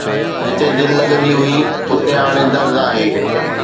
جتي دل لڳندي هئي، اتي هاڻي درد آهي